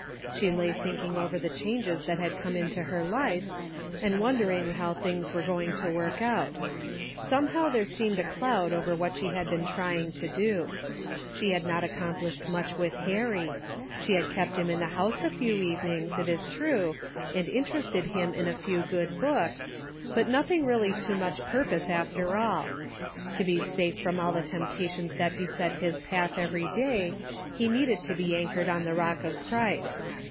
She lay thinking over the changes that had come into her life, and wondering how things were going to work out. Somehow there seemed a cloud over what she had been trying to do. She had not accomplished much with Harry. She had kept him in the house a few evenings, it is true, and interested him in a few good books, but nothing really to much purpose after all. To be safe from all the temptations that beset his path every day, he needed to be anchored on the Eock of Christ.